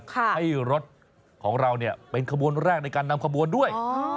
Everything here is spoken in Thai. ให้รถของเราเนี่ยเป็นขบวนแรกในการนำขบวนด้วย